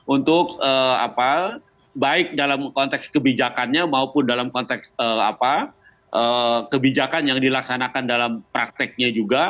untuk baik dalam konteks kebijakannya maupun dalam konteks kebijakan yang dilaksanakan dalam prakteknya juga